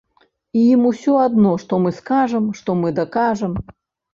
Ім усё адно, што мы скажам, што мы дакажам.